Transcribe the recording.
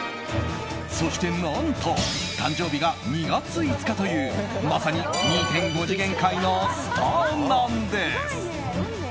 そして何と誕生日が２月５日というまさに２．５次元界のスターなんです。